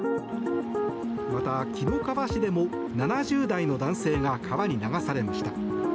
また、紀の川市でも７０代の男性が川に流されました。